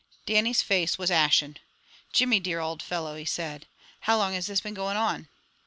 Dannie's face was ashen. "Jimmy, dear auld fellow," he said, "how long has this been going on?"